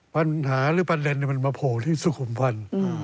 ปัญหาหรือประเด็นมันมาโผล่ที่สุขุมพันธ์